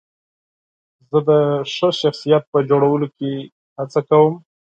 زه د ښه شخصیت په جوړولو کې هڅه کوم.